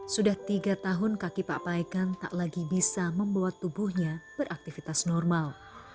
sudah tiga tahun kaki pak paikan tak lagi bisa membuat tubuhnya beraktifitas normal